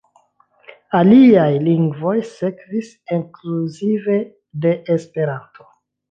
Aliaj lingvoj sekvis, inkluzive de Esperanto.